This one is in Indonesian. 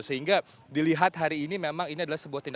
sehingga dilihat hari ini memang ini adalah